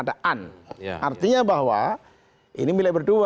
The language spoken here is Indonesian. artinya bahwa ini milik berdua